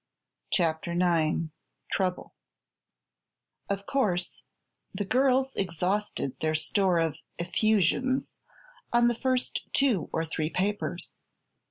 CHAPTER IX TROUBLE Of course the girls exhausted their store of "effusions" on the first two or three papers.